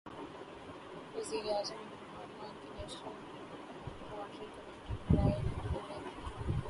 وزیرِ اعظم عمران خان کی نیشنل کوارڈینیشن کمیٹی برائے کوویڈ